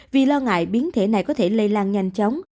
vì lo ngại biến thể này có thể lây lan nhanh chóng